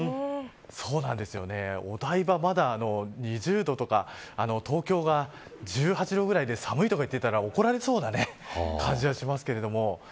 そうなんですよね、お台場、まだ２０度とか、東京が１８度ぐらいで寒いとか言っていたら怒られそうな感じがしますけれども。